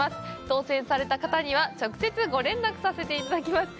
当せんされた方には直接ご連絡させていただきます。